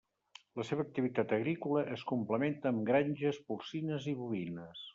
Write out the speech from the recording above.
La seva activitat agrícola es complementa amb granges porcines i bovines.